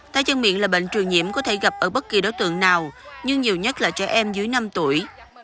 tay chân miệng là bệnh trường nhiễm có thể gặp ở bất kỳ đối tượng nào nhưng nhiều nhất là trẻ em dưới năm tuổi